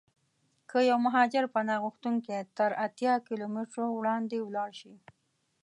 که یو مهاجر پناه غوښتونکی تر اتیا کیلومترو وړاندې ولاړشي.